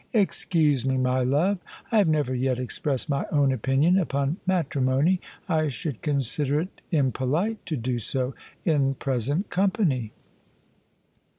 " Excuse me, my love: I have never yet expressed my own opinion upon matrimony. I should consider it impolite to do so in present company."